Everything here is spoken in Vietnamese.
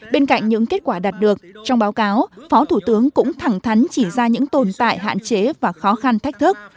bên cạnh những kết quả đạt được trong báo cáo phó thủ tướng cũng thẳng thắn chỉ ra những tồn tại hạn chế và khó khăn thách thức